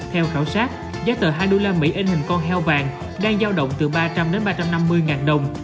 theo khảo sát giá tờ hai usd in hình con heo vàng đang giao động từ ba trăm linh đến ba trăm năm mươi ngàn đồng